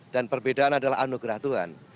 dan perbedaan adalah anugerah tuhan